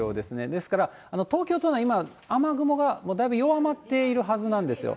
ですから東京都内、雨雲が今、だいぶ弱まっているはずなんですよ。